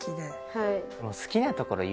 はい。